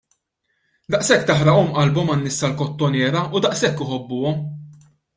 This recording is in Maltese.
Daqshekk taħraqhom qalbhom għan-nies tal-Kottonera u daqshekk iħobbuhom!